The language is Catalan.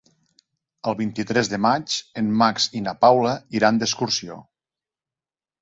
El vint-i-tres de maig en Max i na Paula iran d'excursió.